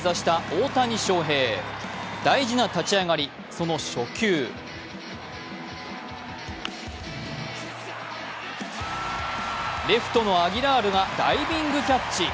大事な立ち上がり、その初球レフトのアギラールがダイビングキャッチ。